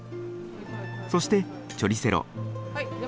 そしてチョリセロ。